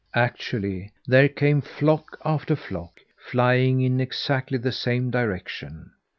Actually, there came flock after flock flying in exactly the same direction.